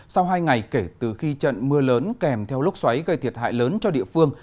sau hai ngày kể từ khi trận mưa lớn kèm theo lốc xoáy gây thiệt hại lớn cho địa phương